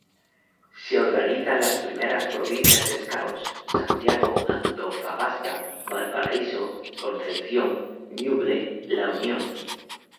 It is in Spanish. Se organizan las primeras Provincias Scouts: Santiago, Antofagasta, Valparaíso, Concepción, Ñuble, La Unión.